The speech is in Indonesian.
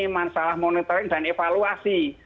masalah monitoring dan evaluasi